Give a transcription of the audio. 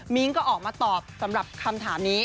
ก็ออกมาตอบสำหรับคำถามนี้